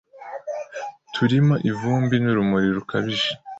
turimo ivumbi n’urumuri rukabije,